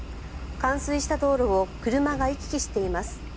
冠水した道路を車が行き来しています。